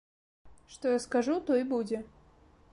Што я скажу, то і будзе.